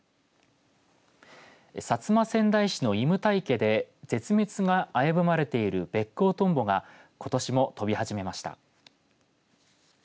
薩摩川内市の藺牟田池で絶滅が危ぶまれているベッコウトンボがことしも飛び始めました。